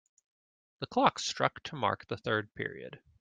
The clock struck to mark the third period.